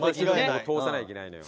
ここ通さなきゃいけないのよ。